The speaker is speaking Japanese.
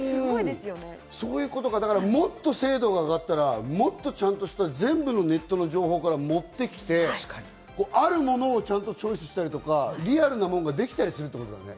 もっと精度が上がったら、もっとちゃんとした全部のネットの情報から持ってきて、あるものをちゃんと聴取したり、リアルなものができたりするんだね。